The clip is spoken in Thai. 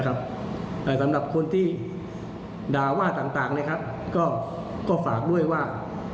สำหรับคนที่ด่าว่าต่างก็ฝากด้วยว่า